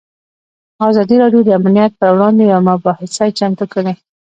ازادي راډیو د امنیت پر وړاندې یوه مباحثه چمتو کړې.